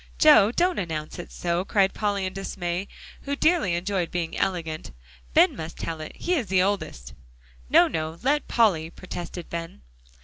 "Joe, don't announce it so," cried Polly in dismay, who dearly enjoyed being elegant. "Ben must tell it; he is the oldest." "No, no; let Polly," protested Ben.